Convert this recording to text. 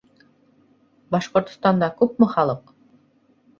Башҡортостанда күпме халыҡ?